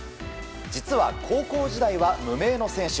実は高校時代は無名の選手。